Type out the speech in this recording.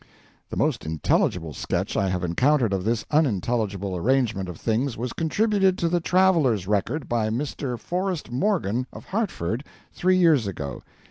The most intelligible sketch I have encountered of this unintelligible arrangement of things was contributed to the 'Traveller's Record' by Mr. Forrest Morgan, of Hartford, three years ago.